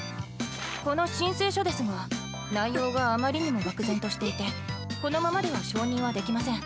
この申請書ですが内容があまりにも漠然としていてこのままでは承認はできません。